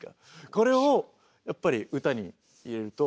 これをやっぱり歌に入れると。